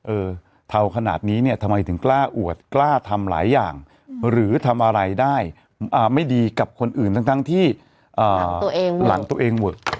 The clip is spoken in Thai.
เออเทาขนาดนี้เนี่ยทำไมถึงกล้าอวดกล้าทำหลายอย่างหรือทำอะไรได้ไม่ดีกับคนอื่นทั้งที่หลังตัวเองเวอะ